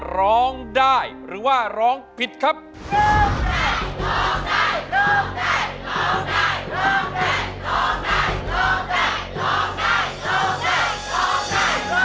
ร้องได้ร้องได้ร้องได้